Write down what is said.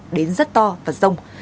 đến rất to và rông